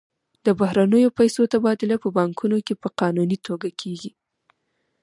د بهرنیو پیسو تبادله په بانکونو کې په قانوني توګه کیږي.